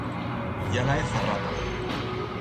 Ya la he zarrata.